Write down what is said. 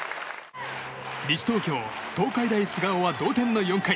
西東京・東海大菅生は同点の４回。